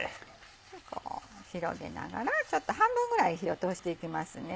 こう広げながらちょっと半分ぐらい火を通していきます。